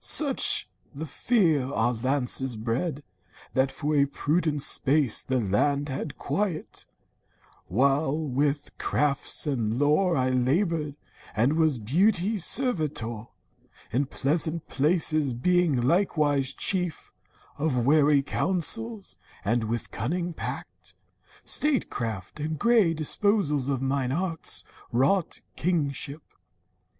Such the fear Our lances bred, that for a prudent space The land had quiet, while with crafts and lore I labored, and was Beauty's servitor In pleasant places, being likewise chief Of wary councils, and with cunning pact, Statecraft, and grey disposal of mine arts Wrought kingship.